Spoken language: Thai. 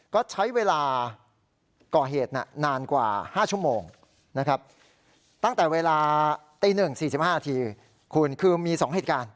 ก็ใช้เวลาก่อเหตุนานกว่า๕ชั่วโมงนะครับตั้งแต่เวลาตี๑๔๕นาทีคุณคือมี๒เหตุการณ์